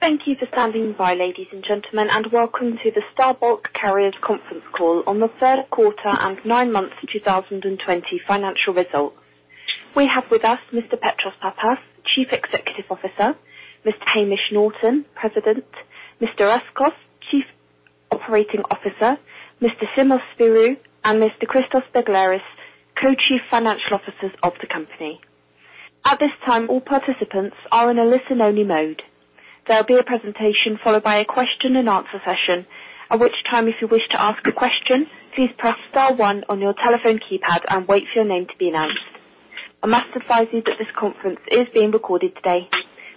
Thank you for standing by, ladies and gentlemen, and welcome to the Star Bulk Carriers Conference Call on the Q3 and nine months 2020 financial results. We have with us Mr. Petros Pappas, Chief Executive Officer, Mr. Hamish Norton, President, Mr. Nikos Rescos, Chief Operating Officer, Mr. Simos Spyrou, and Mr. Christos Begleris, Co-Chief Financial Officers of the company. At this time, all participants are in a listen-only mode. There will be a presentation followed by a question-and-answer session, at which time, if you wish to ask a question, please press star one on your telephone keypad and wait for your name to be announced. I must advise you that this conference is being recorded today.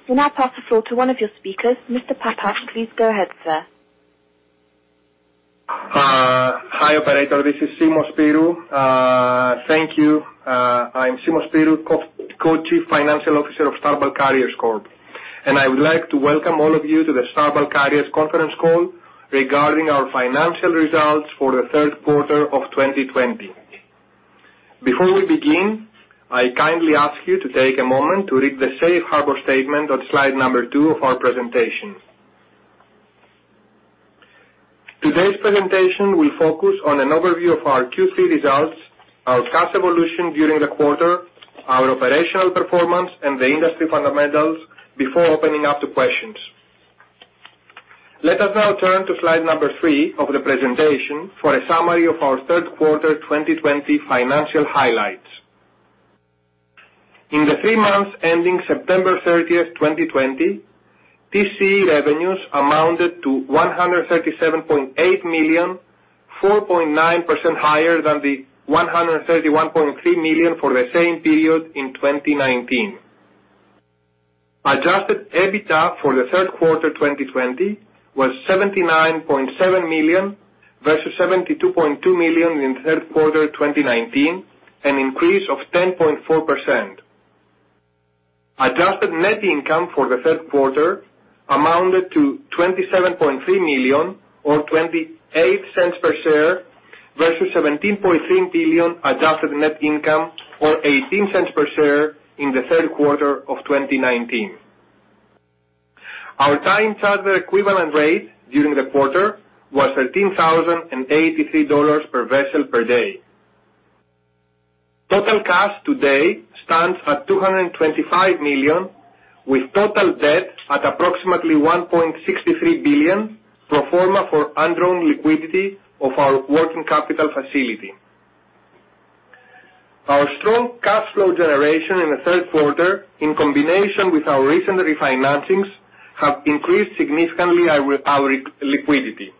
We'll now pass the floor to one of your speakers. Mr. Pappas, please go ahead, sir. Hi, Operator. This is Simos Spyrou. Thank you. I'm Simos Spyrou, Co-Chief Financial Officer of Star Bulk Carriers Corp, and I would like to welcome all of you to the Star Bulk Carriers Conference Call regarding our financial results for the Q3 of 2020. Before we begin, I kindly ask you to take a moment to read the Safe Harbor Statement on slide number two of our presentation. Today's presentation will focus on an overview of our Q3 results, our cost evolution during the quarter, our operational performance, and the industry fundamentals before opening up to questions. Let us now turn to slide number three of the presentation for a summary of our Q3 2020 financial highlights. In the three months ending September 30th, 2020, TCE revenues amounted to $137.8 million, 4.9% higher than the $131.3 million for the same period in 2019. Adjusted EBITDA for the Q3 2020 was $79.7 million versus $72.2 million in the Q3 2019, an increase of 10.4%. Adjusted net income for the Q3 amounted to $27.3 million, or $0.28 per share, versus $17.3 million adjusted net income, or $0.18 per share, in the Q3 of 2019. Our time charter equivalent rate during the quarter was $13,083 per vessel per day. Total cash today stands at $225 million, with total debt at approximately $1.63 billion, pro forma for undrawn liquidity of our working capital facility. Our strong cash flow generation in the Q3, in combination with our recent refinancings, have increased significantly our liquidity.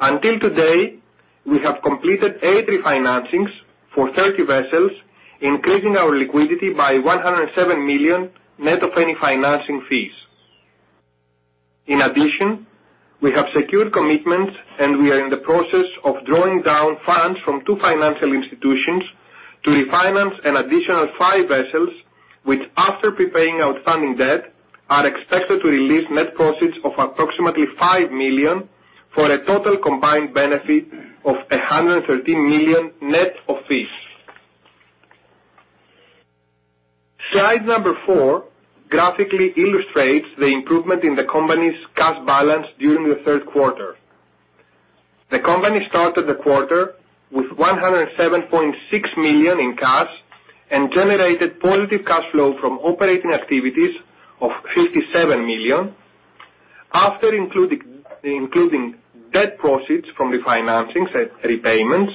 As of today, we have completed eight refinancings for 30 vessels, increasing our liquidity by $107 million net of any financing fees. In addition, we have secured commitments, and we are in the process of drawing down funds from two financial institutions to refinance an additional five vessels, which, after prepaying outstanding debt, are expected to release net proceeds of approximately $5 million for a total combined benefit of $113 million net of fees. Slide number four graphically illustrates the improvement in the company's cash balance during the Q3. The company started the quarter with $107.6 million in cash and generated positive cash flow from operating activities of $57 million. After including debt proceeds from refinancings, repayments,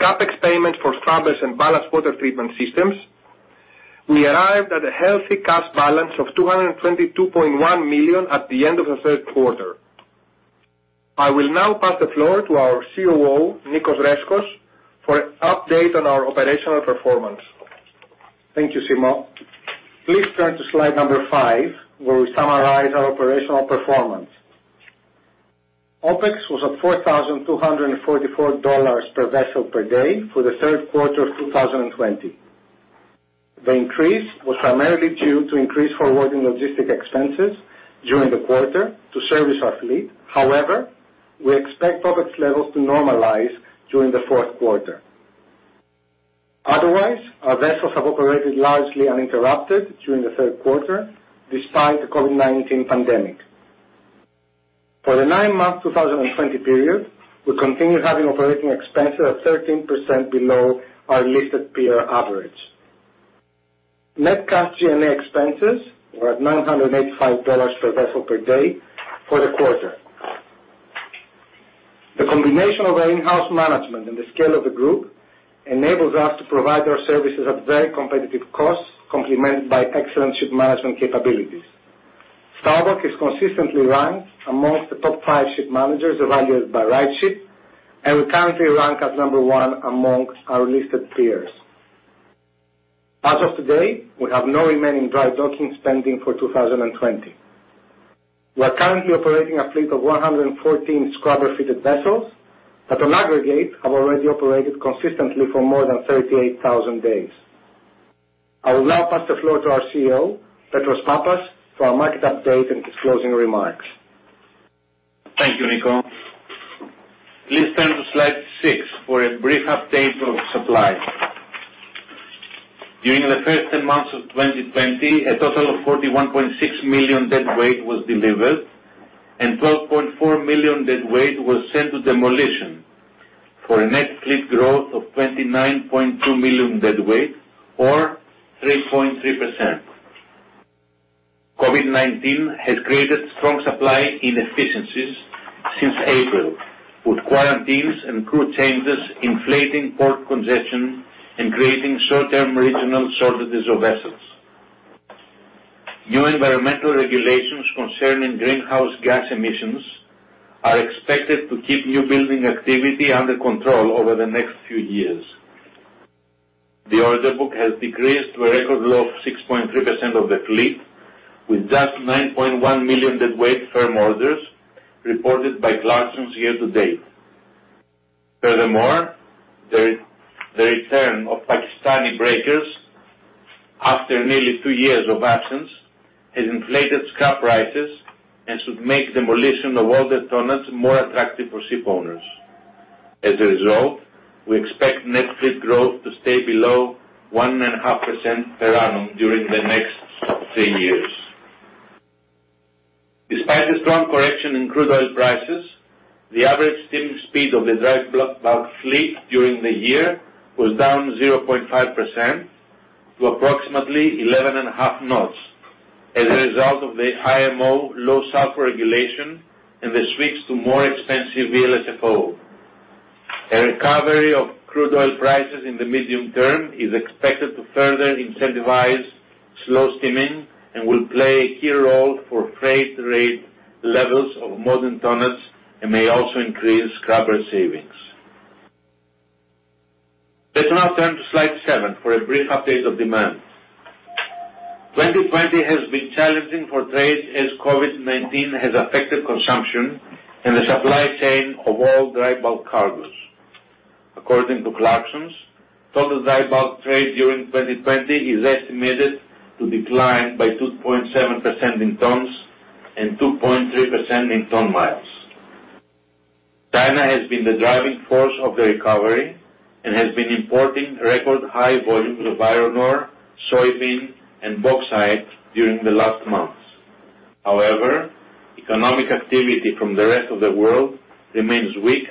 CapEx payments for scrubbers and ballast water treatment systems, we arrived at a healthy cash balance of $222.1 million at the end of the Q3. I will now pass the floor to our COO, Nikos Rescos, for an update on our operational performance. Thank you, Simos. Please turn to slide number five, where we summarize our operational performance. OPEX was at $4,244 per vessel per day for the Q3 of 2020. The increase was primarily due to increased forwarding logistics expenses during the quarter to service our fleet. However, we expect OPEX levels to normalize during the Q4. Otherwise, our vessels have operated largely uninterrupted during the Q3 despite the COVID-19 pandemic. For the nine-month 2020 period, we continue having operating expenses at 13% below our listed peer average. Net cash G&A expenses were at $985 per vessel per day for the quarter. The combination of our in-house management and the scale of the group enables us to provide our services at very competitive costs, complemented by excellent ship management capabilities. Star Bulk is consistently ranked among the top five ship managers evaluated by RightShip, and we currently rank as number one among our listed peers. As of today, we have no remaining drydocking spending for 2020. We are currently operating a fleet of 114 scrubber-fitted vessels that, on aggregate, have already operated consistently for more than 38,000 days. I will now pass the floor to our CEO, Petros Pappas, for a market update and his closing remarks. Thank you, Nikos. Please turn to slide six for a brief update of supply. During the first 10 months of 2020, a total of 41.6 million deadweight was delivered, and 12.4 million deadweight was sent to demolition for a net fleet growth of 29.2 million deadweight, or 3.3%. COVID-19 has created strong supply inefficiencies since April, with quarantines and crew changes inflating port congestion and creating short-term regional shortages of vessels. New environmental regulations concerning greenhouse gas emissions are expected to keep newbuilding activity under control over the next few years. The order book has decreased to a record low of 6.3% of the fleet, with just 9.1 million deadweight firm orders reported by Clarksons year to date. Furthermore, the return of Pakistani breakers after nearly two years of absence has inflated scrap prices and should make demolition of all the tons more attractive for ship owners. As a result, we expect net fleet growth to stay below 1.5% per annum during the next three years. Despite the strong correction in crude oil prices, the average steaming speed of the dry bulk fleet during the year was down 0.5% to approximately 11.5 knots as a result of the IMO low-sulfur regulation and the switch to more expensive VLSFO. A recovery of crude oil prices in the medium term is expected to further incentivize slow steaming and will play a key role for freight rate levels of modern tons and may also increase scrubber savings. Let's now turn to slide seven for a brief update of demand. 2020 has been challenging for trade as COVID-19 has affected consumption and the supply chain of all dry bulk cargoes. According to Clarksons, total dry bulk trade during 2020 is estimated to decline by 2.7% in tons and 2.3% in ton miles. China has been the driving force of the recovery and has been importing record high volumes of iron ore, soybean, and bauxite during the last months. However, economic activity from the rest of the world remains weak,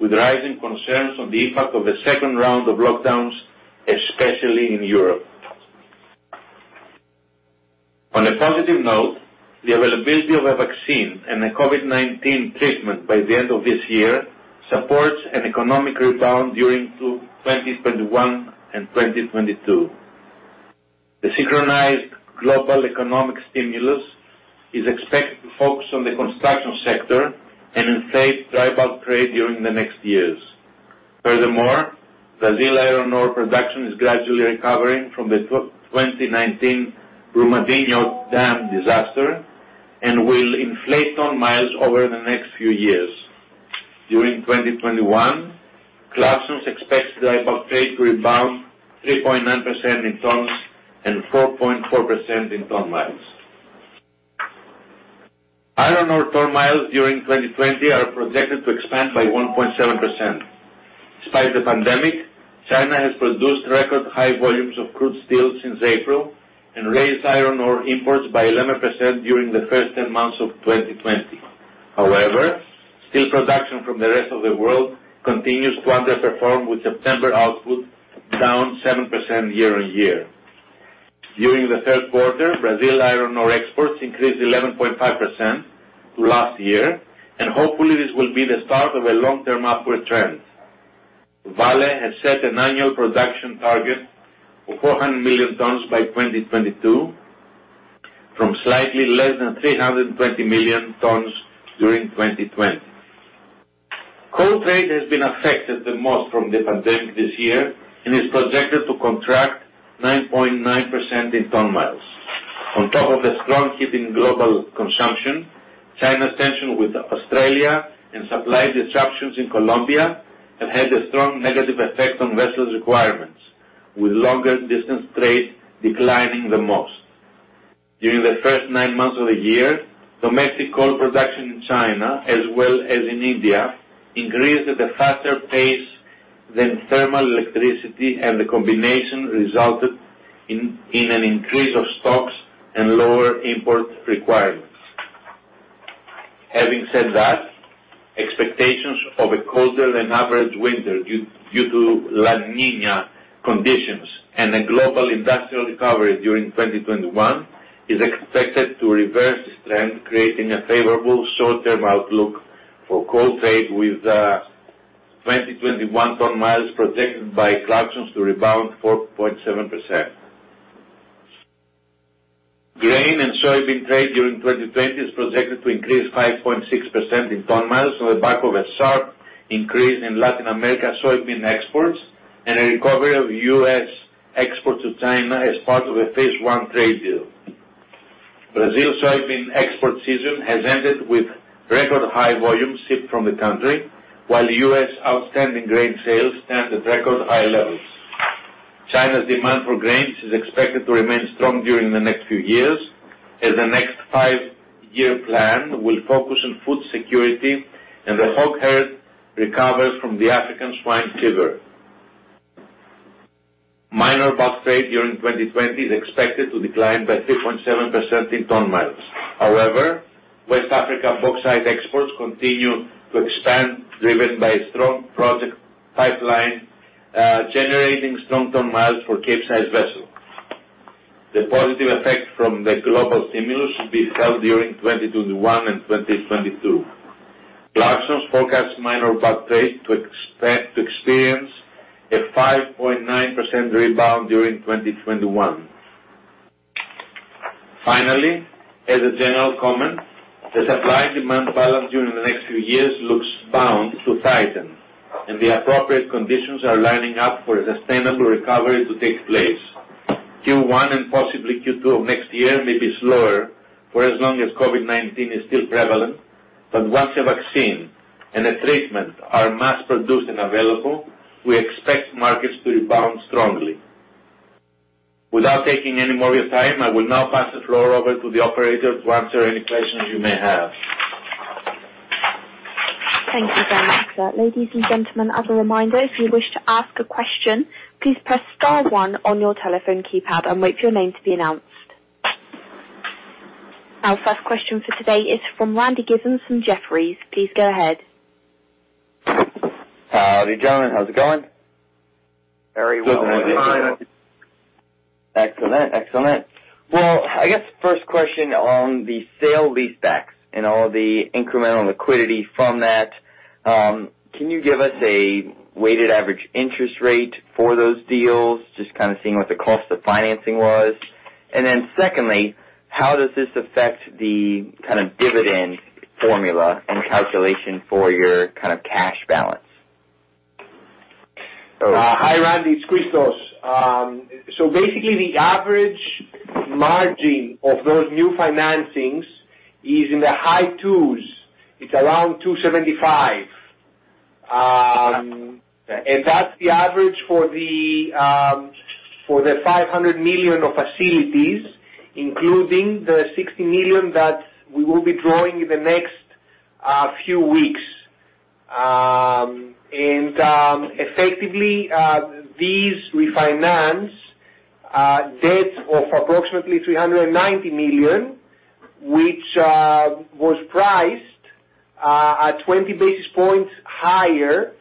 with rising concerns on the impact of the second round of lockdowns, especially in Europe. On a positive note, the availability of a vaccine and a COVID-19 treatment by the end of this year supports an economic rebound during 2021 and 2022. The synchronized global economic stimulus is expected to focus on the construction sector and inflate dry bulk trade during the next years. Furthermore, Brazil iron ore production is gradually recovering from the 2019 Brumadinho Dam disaster and will inflate ton miles over the next few years. During 2021, Clarksons expects dry bulk trade to rebound 3.9% in tons and 4.4% in ton miles. Iron ore ton miles during 2020 are projected to expand by 1.7%. Despite the pandemic, China has produced record high volumes of crude steel since April and raised iron ore imports by 11% during the first ten months of 2020. However, steel production from the rest of the world continues to underperform, with September output down 7% year on year. During the Q3, Brazil iron ore exports increased 11.5% to last year, and hopefully this will be the start of a long-term upward trend. Vale has set an annual production target of 400 million tons by 2022, from slightly less than 320 million tons during 2020. Coal trade has been affected the most from the pandemic this year and is projected to contract 9.9% in ton miles. On top of the strong hit in global consumption, China's tension with Australia and supply disruptions in Colombia have had a strong negative effect on vessel requirements, with longer distance trade declining the most. During the first nine months of the year, domestic coal production in China, as well as in India, increased at a faster pace than thermal electricity, and the combination resulted in an increase of stocks and lower import requirements. Having said that, expectations of a colder and average winter due to La Niña conditions and a global industrial recovery during 2021 is expected to reverse this trend, creating a favorable short-term outlook for coal trade, with 2021 ton miles projected by Clarksons to rebound 4.7%. Grain and Soybean trade during 2020 is projected to increase 5.6% in ton miles on the back of a sharp increase in Latin America soybean exports and a recovery of US exports to China as part of a phase I trade deal. Brazil's soybean export season has ended with record high volumes shipped from the country, while US outstanding grain sales stand at record high levels. China's demand for grains is expected to remain strong during the next few years, as the next five-year plan will focus on food security and the hog herd recovers from the African Swine Fever. Minor bulk trade during 2020 is expected to decline by 3.7% in ton miles. However, West Africa bauxite exports continue to expand, driven by a strong project pipeline generating strong ton miles for Capesize vessels. The positive effect from the global stimulus should be felt during 2021 and 2022. Clarksons forecasts minor bulk trade to experience a 5.9% rebound during 2021. Finally, as a general comment, the supply-demand balance during the next few years looks bound to tighten, and the appropriate conditions are lining up for a sustainable recovery to take place. Q1 and possibly Q2 of next year may be slower for as long as COVID-19 is still prevalent, but once a vaccine and a treatment are mass-produced and available, we expect markets to rebound strongly. Without taking any more of your time, I will now pass the floor over to the operator to answer any questions you may have. Thank you very much. Ladies and gentlemen, as a reminder, if you wish to ask a question, please press star one on your telephone keypad and wait for your name to be announced. Our first question for today is from Randy Giveans from Jefferies. Please go ahead. Howdy, gentlemen. How's it going? Very well. Excellent. Excellent. I guess first question on the sale lease backs and all the incremental liquidity from that. Can you give us a weighted average interest rate for those deals, just kind of seeing what the cost of financing was? And then secondly, how does this affect the kind of dividend formula and calculation for your kind of cash balance? Hi, Randy Giveans. So basically, the average margin of those new financings is in the high twos. It's around 275. And that's the average for the $500 million of facilities, including the $60 million that we will be drawing in the next few weeks. And effectively, these refinance debts of approximately $390 million, which was priced at 20 basis points higher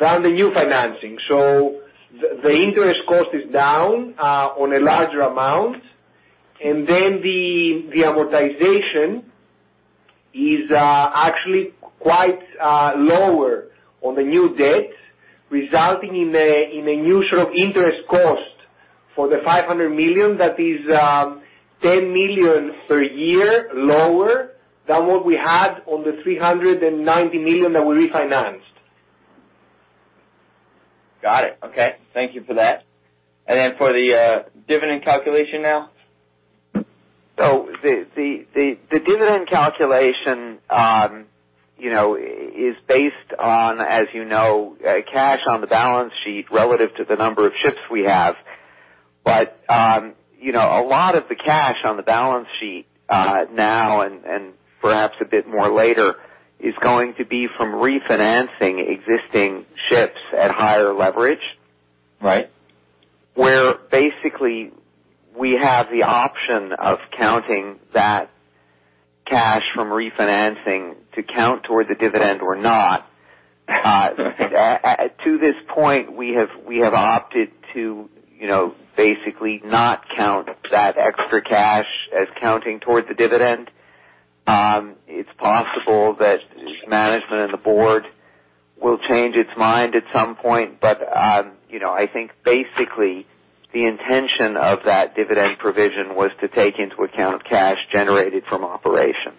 than the new financing. So the interest cost is down on a larger amount, and then the amortization is actually quite lower on the new debt, resulting in a new sort of interest cost for the $500 million that is $10 million per year lower than what we had on the $390 million that we refinanced. Got it. Okay. Thank you for that. And then for the dividend calculation now? So the dividend calculation is based on, as you know, cash on the balance sheet relative to the number of ships we have. But a lot of the cash on the balance sheet now, and perhaps a bit more later, is going to be from refinancing existing ships at higher leverage, where basically we have the option of counting that cash from refinancing to count toward the dividend or not. To this point, we have opted to basically not count that extra cash as counting toward the dividend. It's possible that management and the board will change its mind at some point, but I think basically the intention of that dividend provision was to take into account cash generated from operations.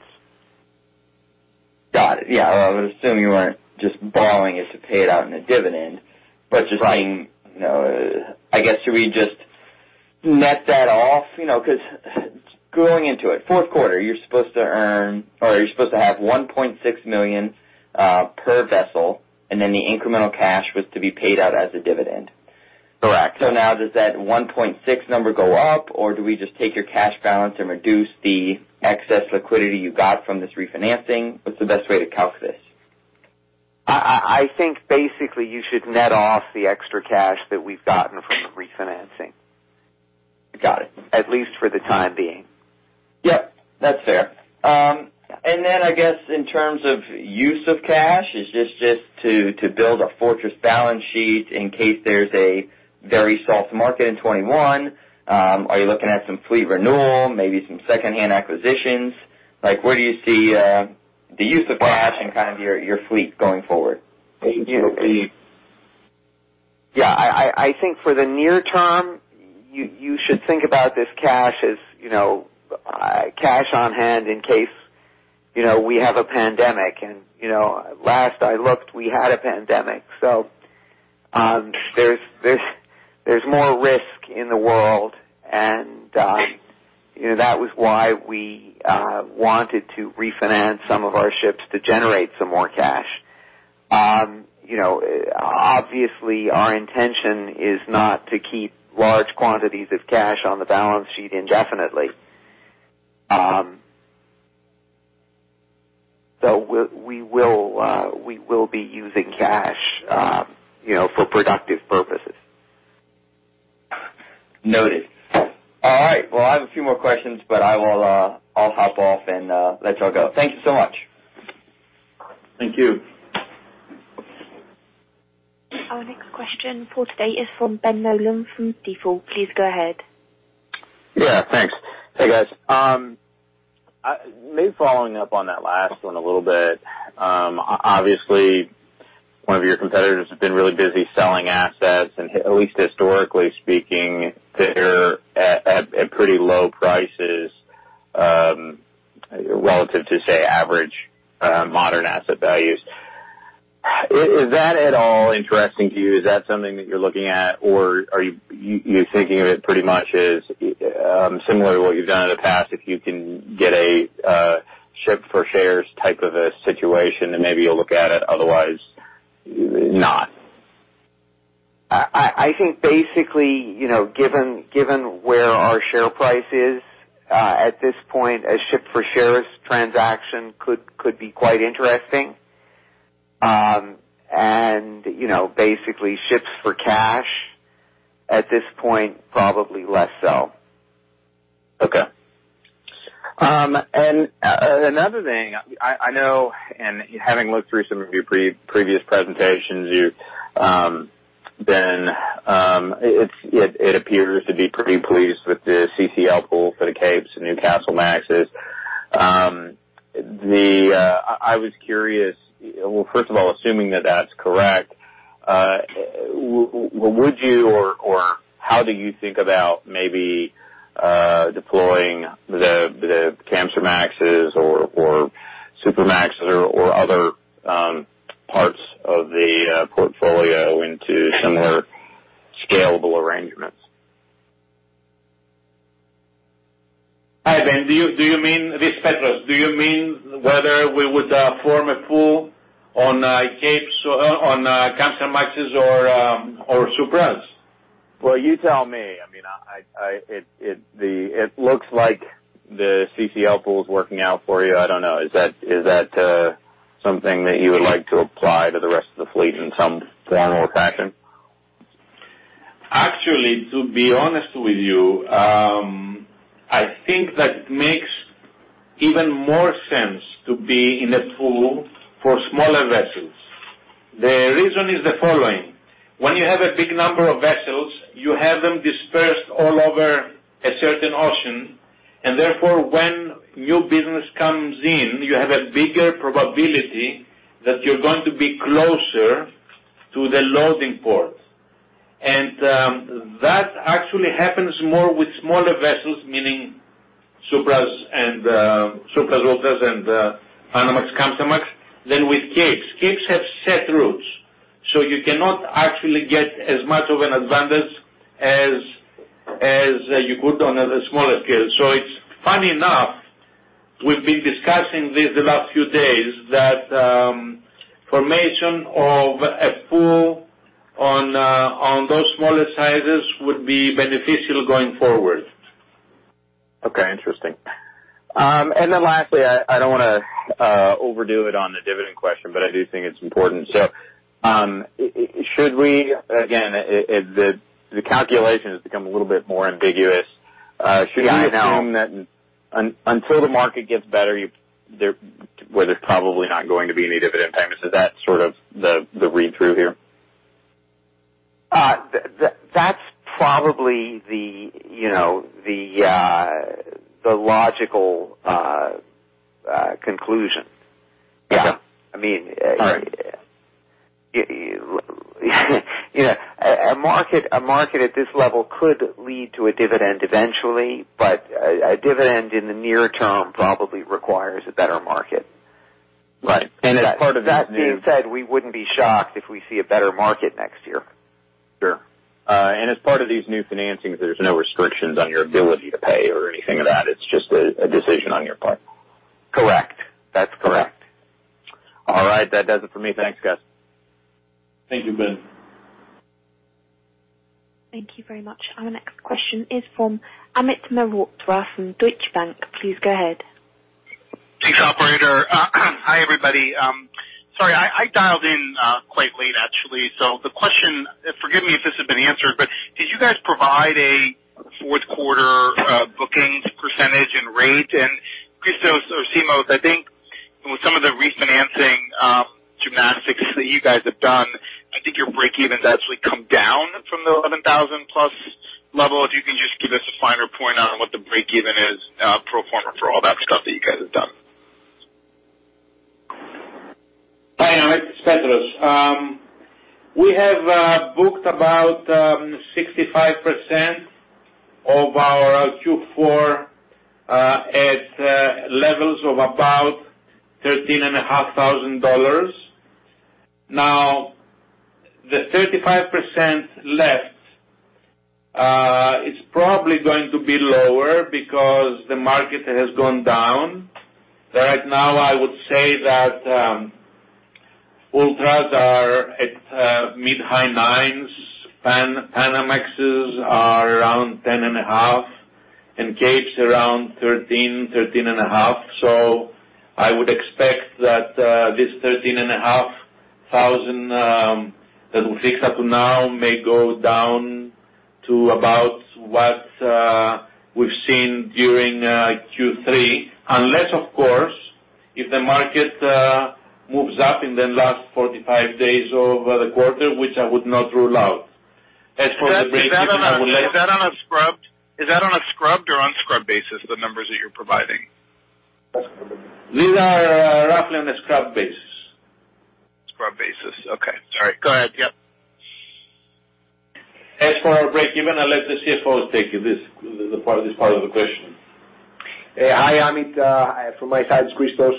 Got it. Yeah. I was assuming you weren't just borrowing it to pay it out in a dividend, but just being I guess should we just net that off? Because going into it, Q4, you're supposed to earn or you're supposed to have $1.6 million per vessel, and then the incremental cash was to be paid out as a dividend. Correct. So now does that 1.6 number go up, or do we just take your cash balance and reduce the excess liquidity you got from this refinancing? What's the best way to calculate this? I think basically you should net off the extra cash that we've gotten from the refinancing. Got it. At least for the time being. Yep. That's fair. And then I guess in terms of use of cash, is this just to build a fortress balance sheet in case there's a very soft market in 2021? Are you looking at some fleet renewal, maybe some second-hand acquisitions? Where do you see the use of cash and kind of your fleet going forward? Yeah. I think for the near term, you should think about this cash as cash on hand in case we have a pandemic. And last I looked, we had a pandemic. So there's more risk in the world, and that was why we wanted to refinance some of our ships to generate some more cash. Obviously, our intention is not to keep large quantities of cash on the balance sheet indefinitely. So we will be using cash for productive purposes. Noted. All right. Well, I have a few more questions, but I'll hop off and let y'all go. Thank you so much. Thank you. Our next question for today is from Ben Nolan from Stifel. Please go ahead. Yeah. Thanks. Hey, guys. Maybe following up on that last one a little bit. Obviously, one of your competitors has been really busy selling assets, and at least historically speaking, they're at pretty low prices relative to, say, average modern asset values. Is that at all interesting to you? Is that something that you're looking at, or are you thinking of it pretty much as similar to what you've done in the past, if you can get a ship-for-shares type of a situation, and maybe you'll look at it, otherwise, not? I think basically, given where our share price is at this point, a ship-for-shares transaction could be quite interesting. And basically, ships for cash at this point, probably less so. Okay. And another thing, I know in having looked through some of your previous presentations, you've been it appears to be pretty pleased with the CCL pools for the capes and Newcastlemaxes. I was curious, well, first of all, assuming that that's correct, would you or how do you think about maybe deploying the Kamsarmaxes or Supramaxes or other parts of the portfolio into similar scalable arrangements? Hi, Ben. Do you mean this Petros? Do you mean whether we would form a pool on Capes or on Kamsarmax or Supramax? Well, you tell me. I mean, it looks like the CCL pool is working out for you. I don't know. Is that something that you would like to apply to the rest of the fleet in some form or fashion? Actually, to be honest with you, I think that makes even more sense to be in a pool for smaller vessels. The reason is the following. When you have a big number of vessels, you have them dispersed all over a certain ocean, and therefore, when new business comes in, you have a bigger probability that you're going to be closer to the loading port. And that actually happens more with smaller vessels, meaning Supramax and Panamax Kamsarmax, than with Capes. Capes have set routes, so you cannot actually get as much of an advantage as you could on a smaller scale. So it's funny enough, we've been discussing this the last few days that formation of a pool on those smaller sizes would be beneficial going forward. Okay. Interesting. And then lastly, I don't want to overdo it on the dividend question, but I do think it's important. So should we again, the calculation has become a little bit more ambiguous. Should we assume that until the market gets better, where there's probably not going to be any dividend payments? Is that sort of the read-through here? That's probably the logical conclusion. I mean, a market at this level could lead to a dividend eventually, but a dividend in the near term probably requires a better market. Right. And as part of that news said, we wouldn't be shocked if we see a better market next year. Sure. And as part of these new financings, there's no restrictions on your ability to pay or anything of that. It's just a decision on your part. Correct. That's correct. All right. That does it for me. Thanks, guys. Thank you, Ben. Thank you very much. Our next question is from Amit Mehrotra from Deutsche Bank. Please go ahead. Thanks, operator. Hi, everybody. Sorry, I dialed in quite late, actually. So the question forgive me if this has been answered, but did you guys provide a Q4 booking percentage and rate? And Christos or Simos, I think with some of the refinancing gymnastics that you guys have done, I think your break-evens actually come down from the 11,000-plus level. If you can just give us a finer point on what the break-even is pro forma for all that stuff that you guys have done. Hi, Amit. Spyrou. We have booked about 65% of our Q4 at levels of about $13,500. Now, the 35% left is probably going to be lower because the market has gone down. Right now, I would say that Ultras are at mid-high nines, Panamaxes are around 10.5, and Capes around 13-13.5. So I would expect that this $13,500 that we fixed up to now may go down to about what we've seen during Q3, unless, of course, if the market moves up in the last 45 days of the quarter, which I would not rule out. As for the break-even, I would like to. Is that on a scrubbed? Is that on a scrubbed or unscrubbed basis, the numbers that you're providing? These are roughly on a scrubbed basis. Scrubbed basis. Okay. Sorry. Go ahead. Yep. As for our break-even, I'll let the CFO take this part of the question. Hi, Amit. From my side, Christos.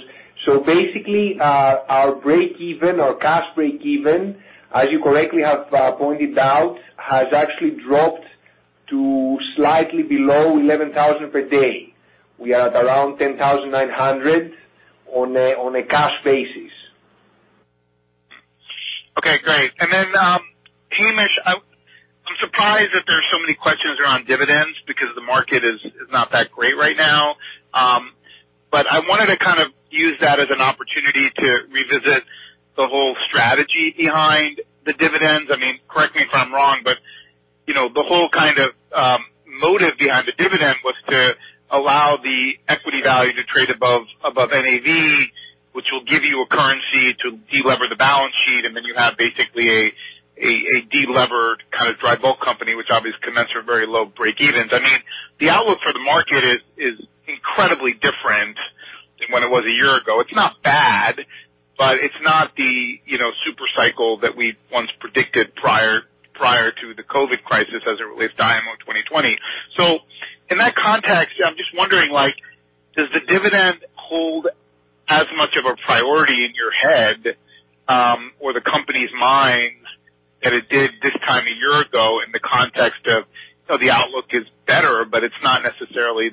So basically, our break-even or cash break-even, as you correctly have pointed out, has actually dropped to slightly below $11,000 per day. We are at around $10,900 on a cash basis. Okay. Great. And then, Hamish, I'm surprised that there's so many questions around dividends because the market is not that great right now. But I wanted to kind of use that as an opportunity to revisit the whole strategy behind the dividends. I mean, correct me if I'm wrong, but the whole kind of motive behind the dividend was to allow the equity value to trade above NAV, which will give you a currency to delever the balance sheet, and then you have basically a delevered kind of dry bulk company, which obviously commends for very low break-evens. I mean, the outlook for the market is incredibly different than when it was a year ago. It's not bad, but it's not the super cycle that we once predicted prior to the COVID crisis as it relates to IMO 2020. So in that context, I'm just wondering, does the dividend hold as much of a priority in your head or the company's minds as it did this time a year ago in the context of the outlook is better, but it's not necessarily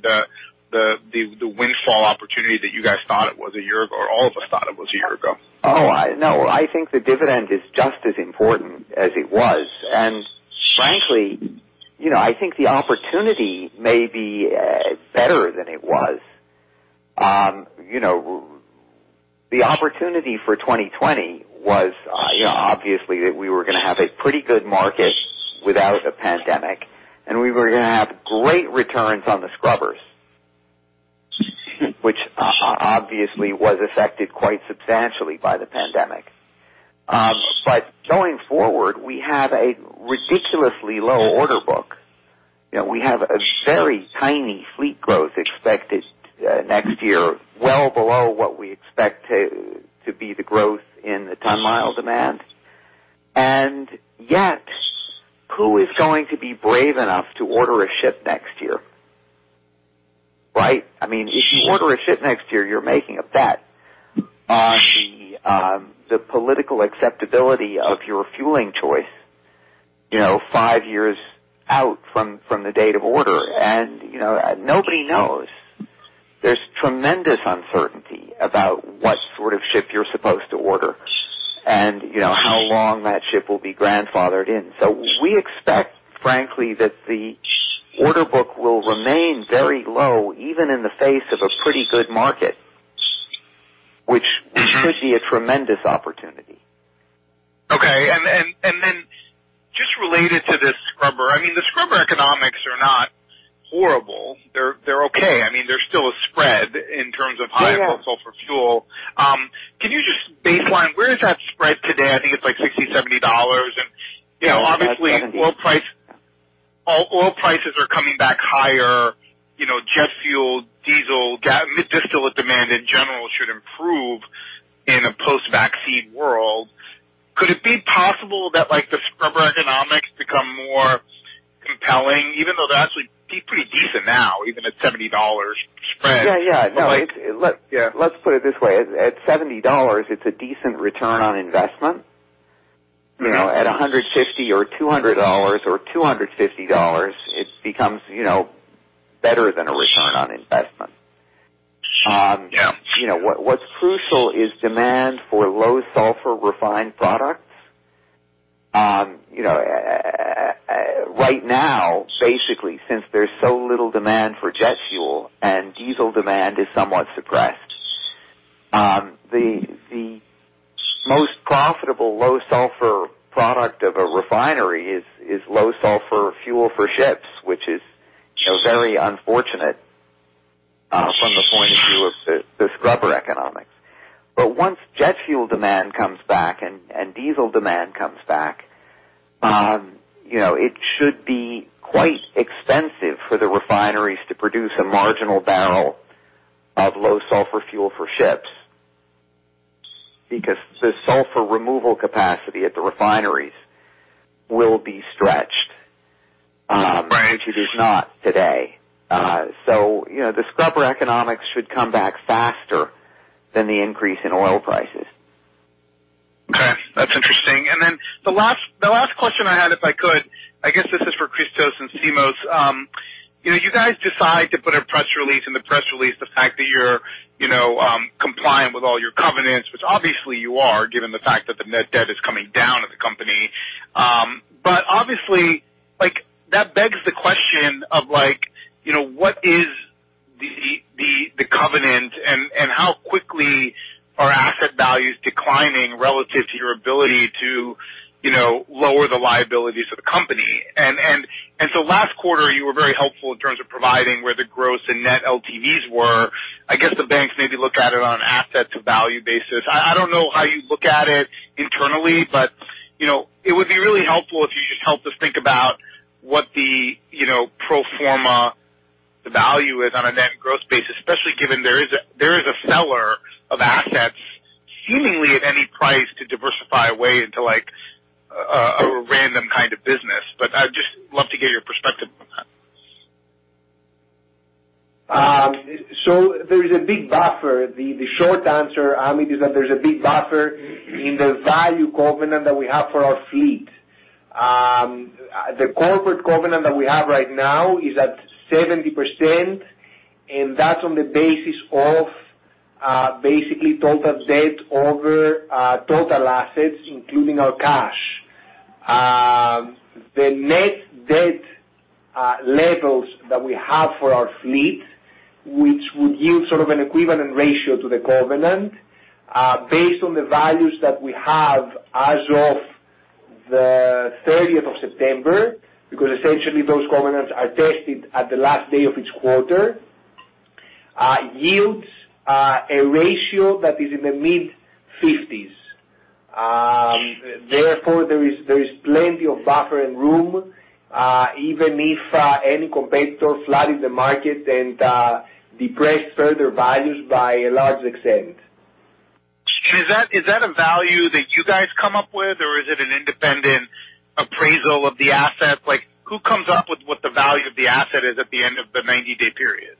the windfall opportunity that you guys thought it was a year ago or all of us thought it was a year ago? Oh, no. I think the dividend is just as important as it was. And frankly, I think the opportunity may be better than it was. The opportunity for 2020 was obviously that we were going to have a pretty good market without a pandemic, and we were going to have great returns on the scrubbers, which obviously was affected quite substantially by the pandemic. But going forward, we have a ridiculously low order book. We have a very tiny fleet growth expected next year, well below what we expect to be the growth in the ton mile demand, and yet, who is going to be brave enough to order a ship next year? Right? I mean, if you order a ship next year, you're making a bet on the political acceptability of your fueling choice five years out from the date of order, and nobody knows. There's tremendous uncertainty about what sort of ship you're supposed to order and how long that ship will be grandfathered in, so we expect, frankly, that the order book will remain very low even in the face of a pretty good market, which could be a tremendous opportunity. Okay, and then just related to this scrubber, I mean, the scrubber economics are not horrible. They're okay. I mean, there's still a spread in terms of higher cost for fuel. Can you just baseline where is that spread today? I think it's like $60-$70. And obviously, oil prices are coming back higher. Jet fuel, diesel, distillate demand in general should improve in a post-vaccine world. Could it be possible that the scrubber economics become more compelling, even though they're actually pretty decent now, even at $70 spread? Yeah. Yeah. Let's put it this way. At $70, it's a decent return on investment. At $150 or $200 or $250, it becomes better than a return on investment. What's crucial is demand for low sulfur refined products. Right now, basically, since there's so little demand for jet fuel and diesel demand is somewhat suppressed, the most profitable low sulfur product of a refinery is low sulfur fuel for ships, which is very unfortunate from the point of view of the scrubber economics. But once jet fuel demand comes back and diesel demand comes back, it should be quite expensive for the refineries to produce a marginal barrel of low sulfur fuel for ships because the sulfur removal capacity at the refineries will be stretched, which it is not today. So the scrubber economics should come back faster than the increase in oil prices. Okay. That's interesting. And then the last question I had, if I could, I guess this is for Christos and Simos. You guys decide to put a press release, and the press release the fact that you're compliant with all your covenants, which obviously you are given the fact that the net debt is coming down at the company. But obviously, that begs the question of what is the covenant and how quickly are asset values declining relative to your ability to lower the liabilities of the company? And so last quarter, you were very helpful in terms of providing where the gross and net LTVs were. I guess the banks maybe look at it on an asset value basis. I don't know how you look at it internally, but it would be really helpful if you just helped us think about what the pro forma value is on a net and gross basis, especially given there is a seller of assets seemingly at any price to diversify away into a random kind of business, but I'd just love to get your perspective on that, so there is a big buffer. The short answer, Amit, is that there's a big buffer in the value covenant that we have for our fleet. The corporate covenant that we have right now is at 70%, and that's on the basis of basically total debt over total assets, including our cash. The net debt levels that we have for our fleet, which would yield sort of an equivalent ratio to the covenant based on the values that we have as of the 30th of September, because essentially those covenants are tested at the last day of each quarter, yields a ratio that is in the mid-50s. Therefore, there is plenty of buffer and room, even if any competitor flooded the market and depressed further values by a large extent. Is that a value that you guys come up with, or is it an independent appraisal of the asset? Who comes up with what the value of the asset is at the end of the 90-day period?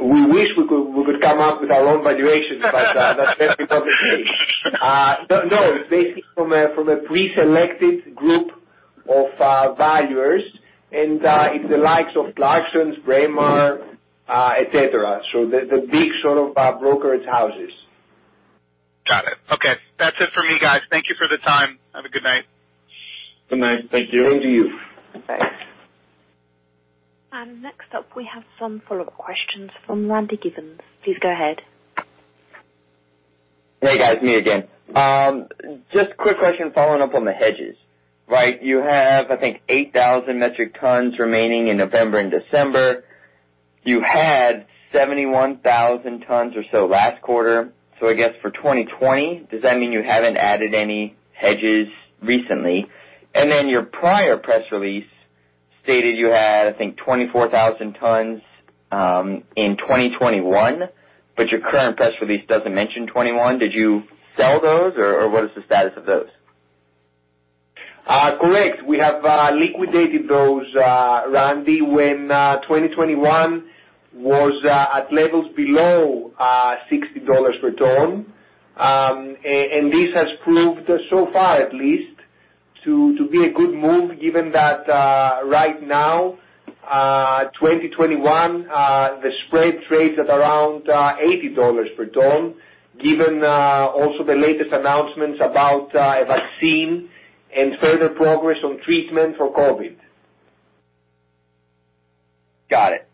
We wish we could come up with our own valuations, but that's definitely not the case. No, it's based from a preselected group of valuers, and it's the likes of Clarksons, Braemar, etc. So the big sort of brokerage houses. Got it. Okay. That's it for me, guys. Thank you for the time. Have a good night. Good night. Thank you. Same to you. Thanks. Next up, we have some follow-up questions from Randy Giveans. Please go ahead. Hey, guys. Me again. Just a quick question following up on the hedges. Right? You have, I think, 8,000 metric tons remaining in November and December. You had 71,000 tons or so last quarter. So I guess for 2020, does that mean you haven't added any hedges recently? And then your prior press release stated you had, I think, 24,000 tons in 2021, but your current press release doesn't mention 2021. Did you sell those, or what is the status of those? Correct. We have liquidated those, Randy, when 2021 was at levels below $60 per ton. This has proved, so far at least, to be a good move given that right now, 2021, the spread trades at around $80 per ton, given also the latest announcements about a vaccine and further progress on treatment for COVID. Got it.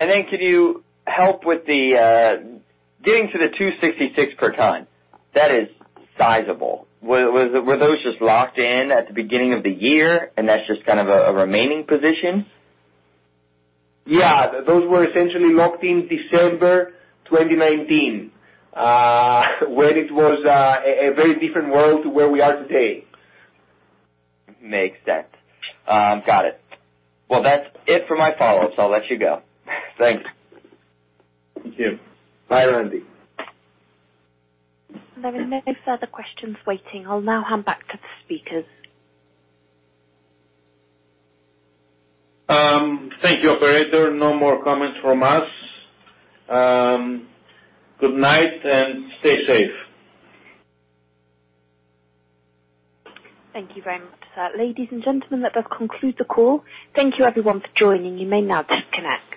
Then can you help with the getting to the 266 per ton? That is sizable. Were those just locked in at the beginning of the year, and that's just kind of a remaining position? Yeah. Those were essentially locked in December 2019, when it was a very different world to where we are today. Makes sense. Got it. That's it for my follow-ups. I'll let you go. Thanks. Thank you. Bye, Randy. There are no further questions waiting. I'll now hand back to the speakers. Thank you, Operator. No more comments from us. Good night and stay safe. Thank you very much. Ladies and gentlemen, that does conclude the call. Thank you, everyone, for joining. You may now disconnect.